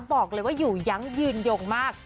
บอกเลยว่าอยู่ยั้งยืนยงมาก